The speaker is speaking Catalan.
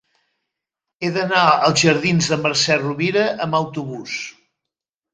He d'anar als jardins de Mercè Rovira amb autobús.